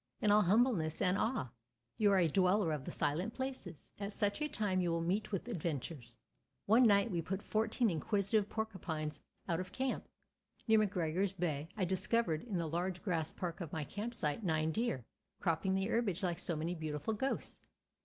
In all humbleness and awe, you are a dweller of the Silent Places. At such a time you will meet with adventures. One night we put fourteen inquisitive porcupines out of camp. Near McGregor's Bay I discovered in the large grass park of my camp site nine deer, cropping the herbage like so many beautiful ghosts.